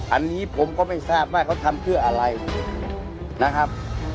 อันนี้ผมก็ไม่ทราบว่าเขาทำเพื่ออะไรนะครับ